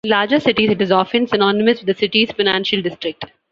In larger cities, it is often synonymous with the city's "financial district".